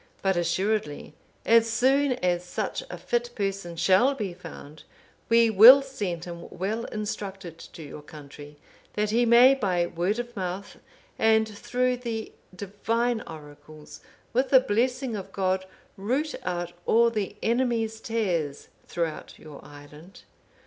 (508) But, assuredly, as soon as such a fit person shall be found, we will send him well instructed to your country, that he may, by word of mouth, and through the Divine oracles, with the blessing of God, root out all the enemy's tares throughout your island.